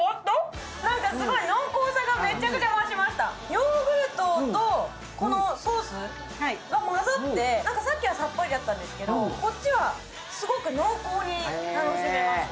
ヨーグルトとこのソースが混ざって、さっきはさっぱりだったんですけど、こっちはすごく濃厚に楽しめますね。